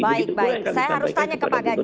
baik baik saya harus tanya kepada gubernur